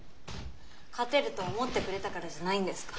勝てると思ってくれたからじゃないんですか？